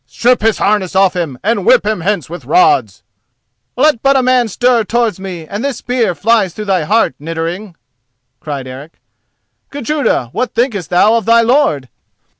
Strip his harness off him and whip him hence with rods." "Let but a man stir towards me and this spear flies through thy heart, Niddering," cried Eric. "Gudruda, what thinkest thou of thy lord?"